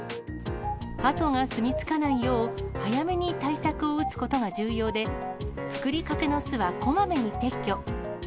ハトが住み着かないよう、早めに対策を打つことが重要で、作りかけの巣はこまめに撤去。